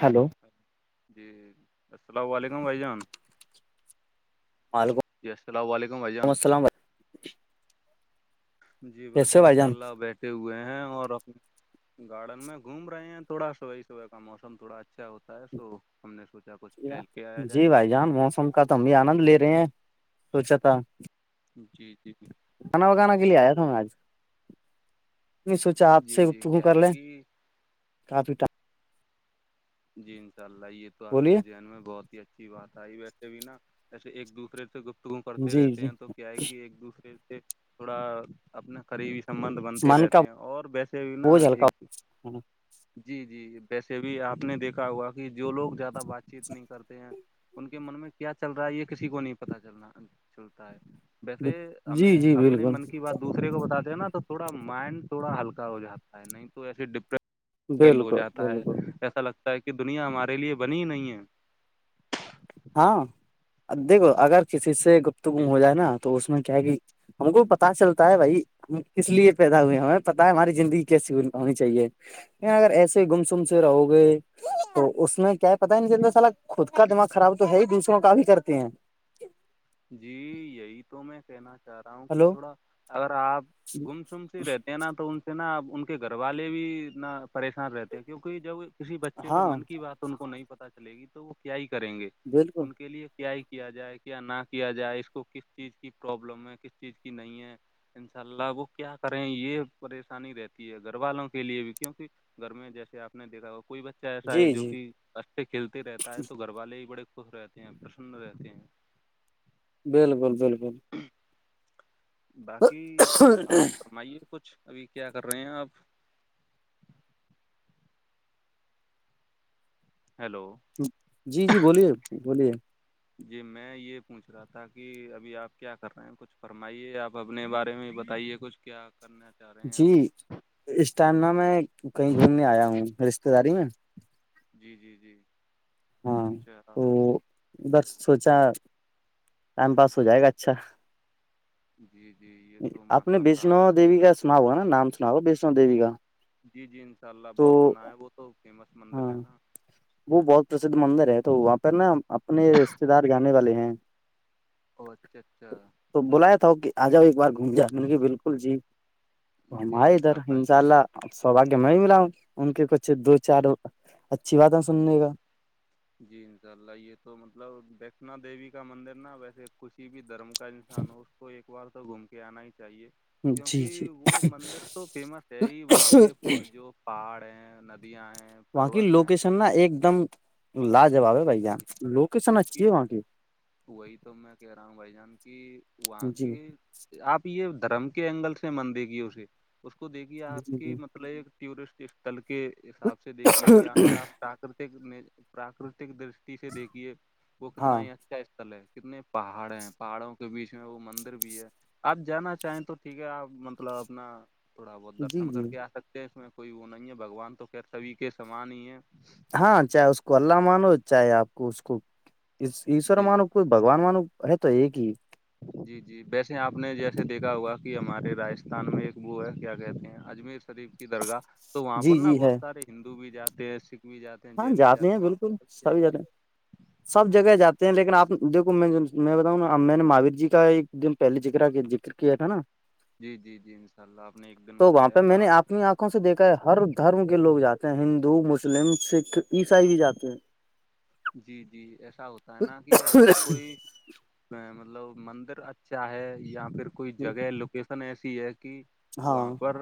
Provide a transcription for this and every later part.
Hello جی السلام علیکم بھائی جان پالگو جی السلام و ععلیکم بھائی جان جی بس کیسے بھائی انشاء جان اللہ بیٹھے ہوئے ہیں اور اپنے گارڈن میں گھوم رہے ہیں تھوڑا س وہی صبح کا موسم تھوڑا اچھا ہوتا ہے سو ہم نے سوچ جی بھائی جان موسم کا تو ہم بھی آنند لے رہے ہیں سوچا تھا جی جی کھانا وگانا کے لیے آیا تھا میں آج سوچا آپ جی جی سےکوں کیا کر ہے لے کہ کافیٹم جی انشاء اللہ یہ تو آپ بولیے کے ذن میں بہت ہی اچھا اچھی بات آئی ویسے بھی نا اییسے ایک دوسرے سےت کرتے جی رہتے جی ہیں تو کیا ہے کہ ایک دوسرے سے تھوڑا اپنے قریبی سبند بنتے من کا رہتے ہیں اور ویسے بھی نا بوجھ ہلکا ایک ہونا۔ جی جی ویسے بھی آپ نے دیکھا ہوا کہ جو لوگ زیادہ بات چیت نہیں کرتے ہیں ان کے من میں کیا چل رہا ہے یہ کسی کو نہیں پتا چلنا چلتا ہے ویسے جی ہمیں جی اپنے بالکل من کی بات دوسرے کو بتاتے ہیں نا تو تھوڑا مائنڈ تھوڑا ہلکا ہو جاتا ہے نہیں تو ایسے ڈپریشن فیل ہو بالکل جاتا ہے بالکل ایسا لگتا ہے کہ دنیا ہمارے لیے بنی ہی نہیں ہے ہاں دیکھو اگر کسی سے گپت گم جی ہو جائے نا تو اس میں کیا ہے کہ ہم کو پتتا چلتا ہے بھائی ہم کس لیے پیدا ہوئے ہیں ہمیں پتا ہے ہماری زندگی کیسی ہونی چاہیے اگر ایسے گمسم سے رہو گئے تو اس میں کیا پتا ہی نہیں جی چلتا سال خود کا دماغ خراب تو ہے ہی دوسروں کا بھی کرتے ہیں جی یہی تو میں کہنا چ چاہ رہا ہوں کہ ہلو تھوڑا اگر آپ گم سم س رہتے ہیں نا تو ان نا ا ان کے گھر والے بھی نہ پریشان رہتے ہیں کیونکہ جب کسی بچے کے ہاں من کی بات ان کو نہیں پتا چلے گی تو وہ کیا ہی کریں گے بالکل ان کے لیے کیا ہی کیا جائے کیا نہ کیا جائے اس کو کس چیز کی پروابلم ہے کس چیز کی نہیں ہے انشاء اللہ وہ کیا کریں یہ پریشانی رہتی ہے گھر والوں کے لیے بھی کیونکہ گھرم جیسے آپ نے دیکا ہوا کوئی بچہ ایسا ہے جی جو جی کہ اچھے کھیلتے رہتا ہے تو گھر والے بھی بڑے خوش رہتے ہیں پرسن رہتے ہیں بالکل بالکل ہ باقی آپ بالکل فرمائیے کچھ ابھی کیا کر رہے ہیں آپ ہیلو جی جی بولیے بولیے جی میں یہ پوچھ رہا تھا کہ ابھی آپ کیا کر رہے ہیں کچھ فرمائیے آپ اپنے بارے میں بتائیے کچھ کیا کرنا چاہ رہے ہیں جی ابھی اس ٹائم ن میں کہیں گھومنے آیا ہوں رشتے داری میں جی جی جی ہاں اچھا تو بس سوچا ٹائم پاس ہو جائے گا اچھا جی جی یہ تو ماشاء اللہ آپ سناؤگ نا نام سناؤو وشنو دیوی کا جی جی انشاء اللہ تو بہت سنا ہے وہ تو فیمس مندر ہاں ہے نا وہ بہت پرسدھ مندر ہے تو وہاں پہ نا اپنے رشتے دار جانے والے ہیں او اچھا اچھا تو بلایا تھا کہ آ جاؤ ایک بار گھوم جاؤ بے بالکل جی تو ہم جی آئے ادھر اللہ انشاء یہ اللہب سو آگے میں ہی ملا ہوں ان کے کچھ دو چار اچھی بات ہے سننے کا جی انشاء اللہ یہ تو مطلب دکنا دیوی کا مندر نا ویسے کسی بھی دھرم کا انسان ہو اس کو ایک بار تو گھوم کے آنا ہی چاہیے جی جی کیونکہ وہ مندر تو فیمس ہے ہی وہاں کے جو پہاڑ ہیں ندی وہاں کی لوکیشن نا ایک دم لاجواب ہے بھیا ان لوکیشن اچھی ہے وہاں کی وہی تو میں کہہ رہا ہوں بھائی جان کی وہاں جی کی آپ یہ دھرم کے اینگل سے من دیکھیے اسے اس کو دیکھیے آپ جی کی جی مطلب ایک ٹورسٹ استل کے حساب سے دیکھیے یا پھر آپ پراکرتک پراکرتک د سے دیکھیے وہ کتنا ہاں ہی اچھا استل ہے کتنے پہاڑ ہیں پہاڑوں کے بیچ میں وہ مندر بھی ہے آپ جانا چاہیں تو ٹھیک ہے آپ مطلب اپنا تھوڑا بہت جی درشن کر جی کے آ سکتے ہیں اس میں کوئی وہ نہیں ہے بگوان تو کہ سبھی کے سامان ہی ہے ہاں چاہے اس کو اللہ مانو چاہے آپ کو اس کو ایشور جی مانو کوئی بگوان م ن ہے تو یہ کی جی جی ویسے آپ نے جیسے دیکھا ہوا کہ ہمارے راجستھان میں ایک وہ ہے کیا کہتے ہیں اجمیر شریف درگاہ تو وہاں پر جی نا جی بہت ہے سارے ہندو بھی جاتے ہیں سکھ بھی جاتے ہیں ہاں جین بھی جاتے ہیں وہاں پر بالکل سب سبھی جاتے جگہ سب ہیں جگہ جی جاتے لیکن آپ دیکو میں میں بتاؤں نا میں نے مہایر جی کا ایک دن پہے کر ذکر کیا تھا نا جی جی جی ان شاء اللہ آپ نے ایک دن تو وہاں پہ بتایا میں تھا نے اپنی آنکھوں سے دیکھا ہے ہر دھرم کے لوگ جاتے ہیں ہندو مسلم سکھ عیساائی بھی جاتے ہیں جی جی ایسا ہوتا ہے نا کہ اگر ہیں کوئی مطلب مندر اچھا ہے یہاں پ کوئی جگہ لوکیشن ایسی ہے کہ وہاں ہاں پر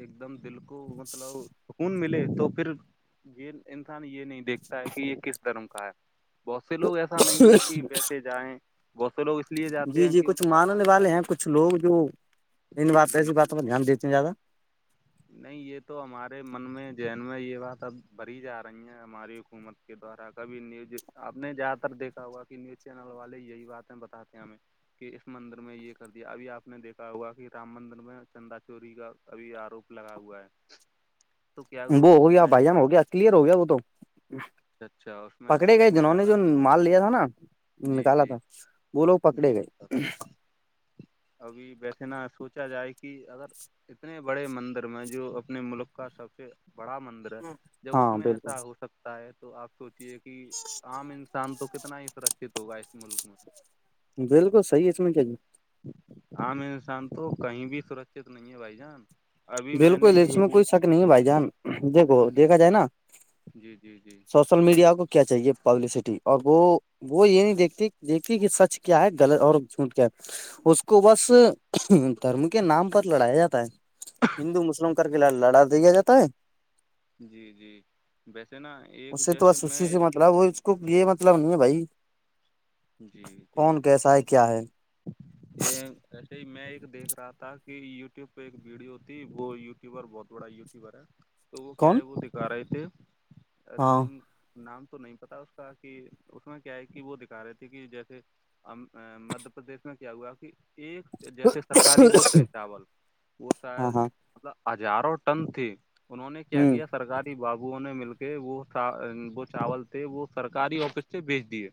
ایک دم دل کو مطلب خون ملے تو پھر یہ انسان یہ نہیں دیکھتا ہے کہ یہ کس درم کا ہے بہت سے لوگ ایسا نہیں ہے کہ ویسے جائیں بہت سے لوگ اس لیے جاتے جی ہیں جی کہ ان کچھ کا نا ماننے تھوڑا والے ہیں کچھ لوگ جو ان بات پ جی ایسی بات پر دھیان دیتے ہیں زیادہ نہیں یہ تو ہمارے من میں ذن میں یہ بات اب بڑ ہی جا رہی ہیں ہماری حکومت کے دوارا کبھی نیوز آپ نے جیادہ تر دیکا ہوا کہ نیوز چینل والے یہی باتیں بتاتے ہیں ہمیں کہ اس مندر میں یہ کر دیا ابھی آپ نے دیکھا ہوا کہ رام مندر میں چندا چوری کا کبھی آروپ لگا ہوا ہے تو کیا وہ ہو گیا کیا ہے بھائی جان ہو گیا کلیئر ہو گیا وہ تو اچھا اس میں پکڑے میں گئے جنہوں نے جو زیادہ مال لیا تھا نا جی نکالا جی تھا وہ لوگ جی پکڑے گئے ابھی ویسے نہا سوچا جائے کہ اگر کتنے بڑے مندر میں جو اپنے ملک کا سب سے بڑا مندر جب اس ہاں میں بالکل ایسا ہو سکتا ہے تو آپ سوچے کہ کہ عام انسان تو کتنا ہی سرکت ہوگا اس ملک میں بالکل صحیح اس میں کیا کیا عام انسان تو کہیں بھی سرکچت نہیں ہے بھائی جان ابھی میں نے بالکل اس میں ایک وہ کوئی شک نہیں ہے بھائی جان دیکھو جی دیکھا جائے نا جی جی جی سوشل میڈیا کو کیا چاہیے پبلسٹی اور وہ وہ یہ نہیں دیکھتی دیکھتی کہ سچ کیا ہے غلط اور جھوٹ کیا ہے اس کو کو بس جی دھرم کے نام پر لڑایا جاتا ہے ہندو مسلم کر کے لڑا دےیا جاتا ہے جی جی ویسے نا ایک جیسے میں گ یہ مطلب نہیں ہے بائی جی جی ہے کیا ہے یہ جیسے ہی میں ایک دیکھ رہا تھا کہ یوٹیوب پہ ایک ویڈیو ہوتیھی وہ یوٹیوبر بہت بڑا یوٹیوبر ہے تو وہ کیا ہے کون وہ دکھا رہے تھے ارے ہاں ملک نام تو نہیں پتا اس کا کہ اس میں کیا ہے کہ وہ رہی تھے کہ جیسے مدہ پردیش میں کیا ہوا کہ ایک جیسے ترکاری بولتے ہے چاول وہ ہاں شاید ہاں مطلب ہزاروں ٹن تھی انہوں نے کیا ہ کیا سرکاری بابوؤں نے مل کے وہ وہ چاول تھے وہ سرکاری آفس سے بھیج دیے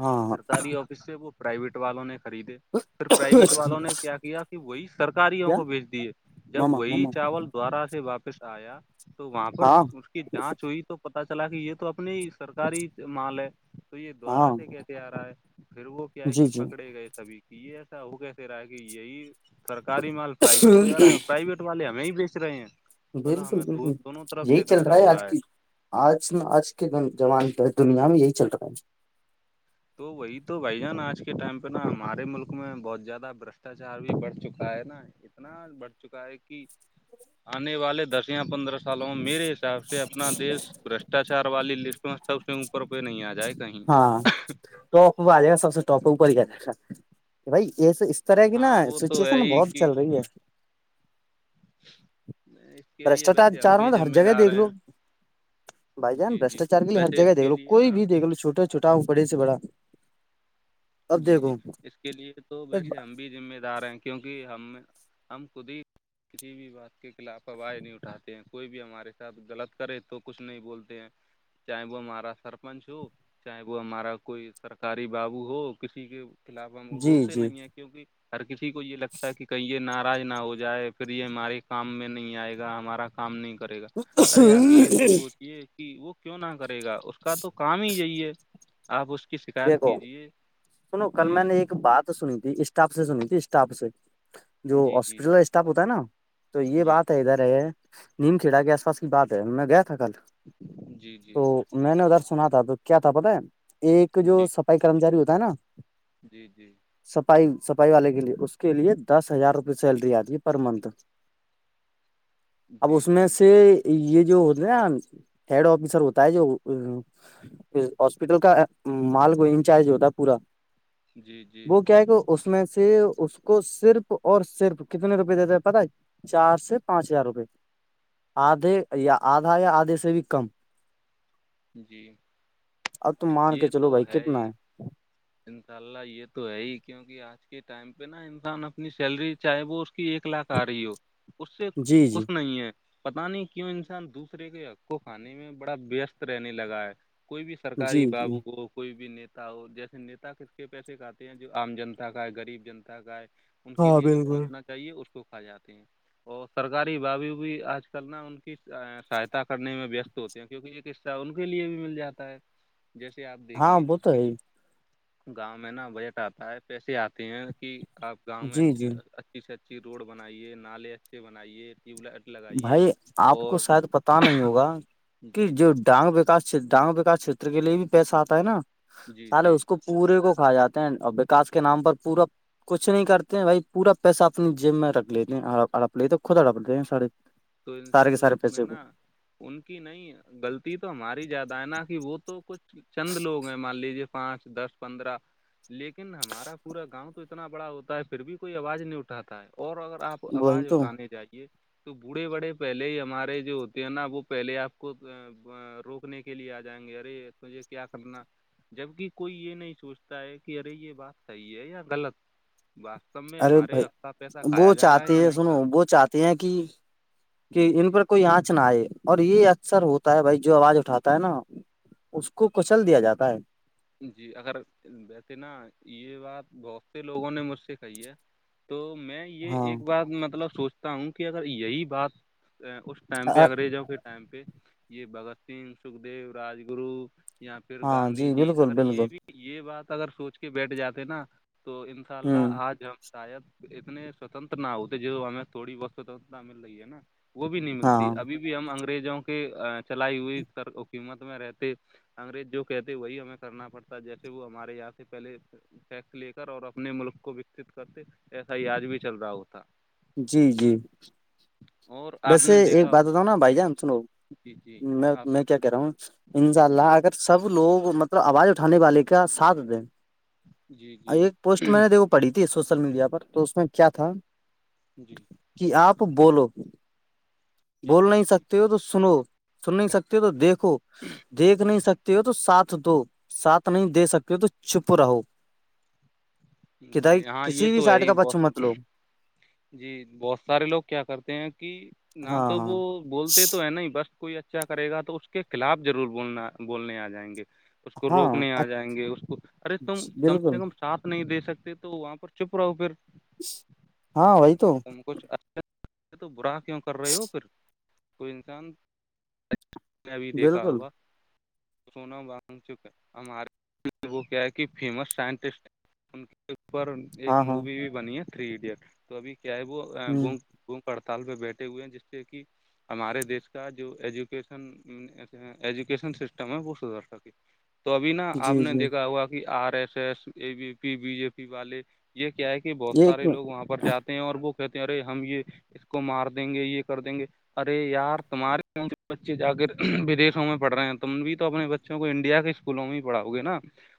ہاں ہاں سرتاری آفس سے وہ پرائیویٹ والوں نے خریدے پھر پرائیویٹ والوں کیا نے کیا کیا کہ وہی سرکاریوں کو بیچ دیے جب ماما وہی ماما چاول دوارا سے واپس آیا تو وہاں پر ہاں کی جانچ ہوئی تو پتا چلا کہ یہ تو اپنی سرکاری مال ہے تو یہ دوارا ہاں سے کہ آ رہا ہے پھر وہ کیا ہے جی کہ پکڑے گئے سبھی کی یہ ایسا ہوگسے رہا ہے کہ یہی سرکاری مال پرائیویٹ کو آ جی رہا ہے پرائیویٹ والے ہمیں ہی بیچ رہے ہیں مطلب بالکل ہمیں بالکل دونوں طرف یہی سے چل گھاٹا رہا ہے ہو آج کیل آج آج کےان دنیا میں یہی چل رہا ہے تو وہی تو بھائی جان آج کے ٹائم پہ نا ہمارے ملک میں بہت زیادہ برشٹاچار بھی بڑھ چکا ہے نا بڑھ چکا ہے کہ آنے والے دس یا پندر س لو میرے حساب سے اپنا دیش بشٹاچار والی لسٹ میں سب سے اوپر پہ نہیں آ جائے کہیں ہاں ٹاپ آ جائے گا سب سے ٹاپ اوپر ہی آ جائے گا بھائی اس اس طرح کی نا ہاں وہ تو ہے سچویشن ہی بہت کہ چل رہی ہے اس کے لیے بشٹاچار ویسے ہم چار میں بھی تو ہر ذمہ جگہ دیکھ دار ہیں لو بھائی جان جی جی بشٹاچار لیے ہر ویسے اس جگہ دیکھ کے لو لیے کوئی نا بھی دیکھ لو چھوٹا چھوٹا ہو بڑے سے بڑا اب جی جی دیکھو اس کے لیے تو ویسے ہمیں ذمہ دار ہیں کیونکہ ہم ہم خود ہی کسی بھی بات کے خلاف آواز نہیں اٹھاتے ہیں کوئی بھی ہمارے ساتھ غلط کرے تو کچھ نہیں بولتے ہیں چاہے وہ ہمارا سرپنچ ہو چاہے وہ ہمارا کوئی سرکاری بابو ہو کسی کے خلاف ہم جی بھولتے جی نہیں ہیں کیونکہ ہر کسی کو یہ لگتا ہے کہ کہیںے ناراض نہ ہو جائے پھر یہ ہمارے کام میں نہیں آئے گا ہمارا کام نہیں کرے گا ارے آپ یہ تو سوچیے کہ وہ کیوں نہ کرے گا اس کا تو کام ہی یہی ہے آپ اس کی شکایت دیکھو کیجیے سنو کل جی میں نے ایک بات سنی تھی اسٹاف سے سنی تھی اسٹاف سے جو جی جی ہاسپٹل کا اسٹاف ہوتا ہے نا تو یہ جی بات ہے ادھر ہے نیم کھیڑا کے آس پاس کی بات ہے میں گیا تھا کل جی جی جی تو میں نے ادھر سنا تھا تو کیا تھا پتا ہے ایک جو جی سفائی کرمچاری ہوتا ہے نا جی جی صفائی صفائی والے کے لیے اس کے لیے دس ہزار روپے سیلری آتی ہے پر منتھ اب اس میں سے یہ جو ہوتا نا ہیڈ آفیسر ہوتا ہے جو ہاسپٹل کا مال کو انچارج ہوتا پورا جی جی جی وہ کیا ہے کہ اس میں سے اس کو صرف اور صرف کتنے روپئے دیتا ہے پت ہے چار سے پانچ ہزار روپئے آدھے یا آدھا یا آدھے سے بھی کم جی اب تو مان کے یہ چلو تو بھائی ہے کتنا ہی انشاء اللہ یہ تو ہے ہی کیونکہ آج کے ٹائم پہ نا انسان اپنی سیلری چاہے وہ اس کی ایک لاکھ آ رہی ہو اس سے جی جی خوش نہیں ہے پتا نہیں کیوں انسان دوسرے کے حقوں کھانے میں بڑا وست رہنے لگا ہے کوئی بھی جی سرکاری جی بابو ہو کوئی بھی نیتا ہو جیسے نتا کت کے پیسے کھتے ہیں جو آم جنتا کا ہے گغریب جنتا کا ہے ان کے ہاں لیے جو بالکل پہنچنا چاہے اس کو کھا جاتے ہیں اور سرکاری بابی بھی آج کل نا ان کی سہایتا کرنے میں وست ہوتے ہیں کیونکہ ایک حصہ ان کے لیے بھی مل جاتا ہے جیسے آپ دیکھیے کہ [unintelligible] گاؤں میں نا بجٹ آتا ہے پیسے آتے ہیں کہ آپ گاؤں میں جی اچھی جی اچھی سے اچھی روڈ بناائیے نالے اچھے بنائیے ٹیوب لائٹ لگائیے بھائی آپ کو اور شاید پتا نہیں ہوگا کہ جی جی جو ڈانگ وکاس گاؤں وکا چتر کے لیے بھی پیسہ آتا ہے نا جی سالے جی اس کو پورے کو کھا جاتے ہیں اور وکاس کے نام پر پورا کچھ نہیں کرتے ہیں بھ پورا پیسہ اپنی جم میں رکھ لیتے ہیں اڑپ لیتے خود اڑپ لیتے ہیں سارے تو انشاء سارے کے اللہ سارے اس میں پیسے کو نا ان کی نہیں غلطی تو ہماری زیادہ ہے نا کہ وہ تو کچھ چند لوگ ہیں مان لیجیے پانچ دس پندرہ لیکن ہمارا پورا گاؤں تو اتنا بڑا ہوتا ہے پھر بھی کوئی آواز نہیں اٹھاتا ہے اور اگر آپ کو وہی آواز تو اٹھانانی چاہیے بوڑھے بڑے پہلے ہی ہمارے جو ہوتے ہیں نا وہ پہلے آپ کو روکنے کے لیے آ جائیں گے ارے تجھے کیا کرنا جبک کوئی یہ نہیں سوچتا ہے کہ ارے یہ بات صحیح ہے یا غلط واستب میں ارے ہمارے بھائی ہفہ پیسہ وہ کھیا جا رہا ہے یا چاہتے ہیں نہیں کھ سنو رہا وہ چاہتے ہیں کہ کہ جی جی ان پر کوئی آنچ نہ آئے اور یہ اکثر ہوتا ہے بھائی جو آواز اٹھاتا ہے نا اس کوچل دیا جاتا ہے جی اگر بتےے نا یہ بات بہت سے لوگوں نے مجھ سے کہی ہے تو میں یہ ہاں ایک بات مطلب سوچتا ہوں کہ اگر یہی بات اس ٹائم پہ اگریزوں پ ائم پہ یہ بگت سنگھ سکھدیو راج گرو یا پھر ہاں گاندھی جی بالکل اگر بالکل یہ بھی یہ بات اگر سوچ کے بیٹھ جاتے نا تو ان شاء ہوں اللہ آج ہم شاید اتنے سوتنتر نہ ہوتے جو ہمیں تھوڑی بہت سوتنرتا مل رہی ہے نا وہ بھی نہیں ملتی ہاں ابھی بھی ہم انگریزوں کے چلائی ہوئی قیمت میں رہتے انگریز جو کہتے وہی ہمیں کرنا پڑتا ہے جیسے وہ ہمارے یہاں سے پہلے ٹیکس لے کر اور اپنے ملک کو وکست کرتے ایسا ہی آج بھی چل رہا ہوتا جی جی اور آپ ویسے نے ایک دیکھا بات بتاؤں ہوگا نا بھائی جان سنو جی جی میں آپ میں کیا کہہ رہا ہوں انشاء جی اللہ اگر سب لوگ مطلب آواز اٹھانے والے کا ساتھ دیں جی اور جی ایک پوسٹ میں نے دیکھو پڑی تھی سوشل میڈیا پر تو اس میں کیا تھا جی کہ آپ بولو بول نہیں جی سکتے ہو تو سنو سن نہیں سکتے ہو تو دیکھو دیکھ نہیں سکتے ہو تو ساتھ دو ساتھ نہیں دے سکتے ہو تو چھپ رہو جی کتا جی ہاں یہ کسی بھی تو ہے سائٹ ہی کا بہت پچھو مت لو جی بہت سارے لوگ کیا کرتے ہیں کہ نہ ہاں تو ہاں وہ بولتے تو ہے ن بس کوئی اچھا کرے گا تو اس کے خلاف ضرور بولنا بولنے آ جائیں گے اس کو روکنے ہاں آ جائیں گے اس کو ارے تم کم سے بالکل کم ساتھ نہیں دے سکتے تو وہاں پر چپ رہا ہ پھر ج [inaudible] اگر تم کچھ اچھا تو برا کیوں کر رہے ہو پھر کوئی انسان میں ابھی دیکھا بالکل ہوگا سونا بانگ چک ہے ہمارے وہ کیا کہ فیمس سائنٹسٹ ہیں ان کے اوپر ایک ہاں ہاں مووی بھی بنی ہے تھری ایڈیٹ تو ابھی کیا ہے وہ ہ ب وہ ہڑتال پہ بیٹھے ہوئے ہیں جس سے کہ ہمارے دیش کا جو ایجوکیشن ایجوکیشن سسٹم ہے وہ سدھر سکتا جٹھ [unintelligible] تو ابھی نا آپ جی نے جی دیکھا ہوا کہ آر ایس ایس ا B P B J P والے یہ کیا ہے کہ کہ بہت یہ ایک سارے لوگ وہاں پر جاتے ہیں اور وہ کہتے ہیں ارے ہم یہ اس کو مار دیں گے یہ کر دیں گے ارے یار تمہارے گاں بچے جا کے ودشوں میں پڑ رہے ہیں تم بھی تو اپنے بچے بچوں کو انڈیا کے اسکولوں میں ہی پڑاؤگے نا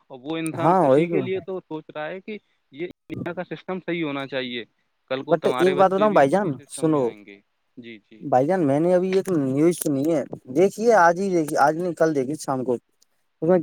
اور وہ انسان ہاں وہی اسی کے لیے تو سوچ رہا ہے کہ یہ دیا کا سسٹم صحیح ہونا چاہیے کل کو بٹ تمہارے ایک بات بچے ہوتا بھی بھائی جان اسی سسٹم میں سنو آئیں گے جی جی بائیان ان میں نے ابھی ایک نیوز سنی ہے دیکھیے آج ہی دیکھیے آج نہیں کل دیکھیے شام کو ا کیا [unintelligible]